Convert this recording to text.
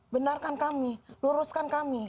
benarkan kami luruskan kami